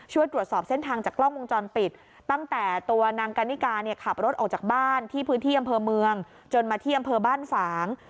ตรวจสอบเส้นทางจากกล้องวงจรปิดตั้งแต่ตัวนางกันนิกาเนี่ยขับรถออกจากบ้านที่พื้นที่อำเภอเมืองจนมาที่อำเภอบ้านฝาง